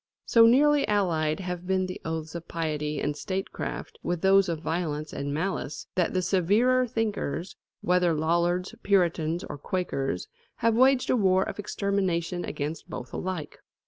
So nearly allied have been the oaths of piety and statecraft with those of violence and malice, that the severer thinkers, whether Lollards, Puritans, or Quakers, have waged a war of extermination against both alike.